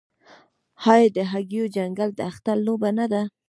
آیا د هګیو جنګول د اختر لوبه نه ده؟